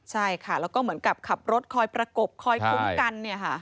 ใช่ค่ะแล้วก็เหมือนกับขับรถคอยประกบคอยคุ้มกัน